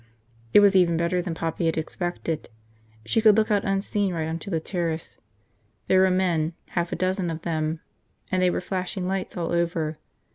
It was even better than Poppy had expected. She could look out unseen right onto the terrace. There were men, half a dozen of them, and they were flashing lights all over.